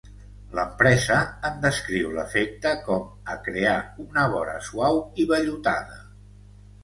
L'empresa en descriu l'efecte com a "crear una vora suau i vellutada".